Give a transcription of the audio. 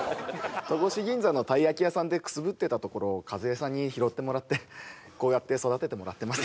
戸越銀座のたい焼き屋さんでくすぶってたところをカズエさんに拾ってもらってこうやって育ててもらってます